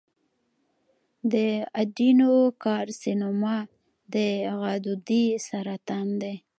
د ایڈینوکارسینوما د غدودي سرطان دی.